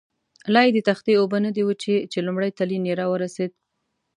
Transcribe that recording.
لایې د تختې اوبه نه دي وچې، چې لومړی تلین یې را ورسېد.